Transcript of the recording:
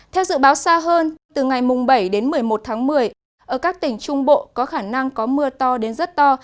theo dự báo xa hơn từ ngày bảy đến một mươi một tháng một mươi ở các tỉnh trung bộ có khả năng có mưa to đến rất to